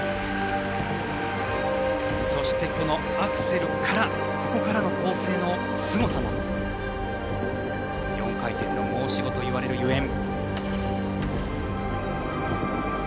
そしてアクセルからの構成のすごさも４回転の申し子といわれるゆえん。